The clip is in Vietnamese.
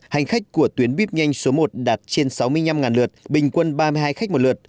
hành khách của tuyến bít nhanh số một đạt trên sáu mươi năm lượt bình quân ba mươi hai khách một lượt